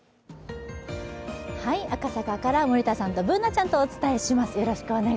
赤坂から森田さんとＢｏｏｎａちゃんとお伝えします。